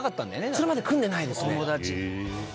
それまで組んでないですね。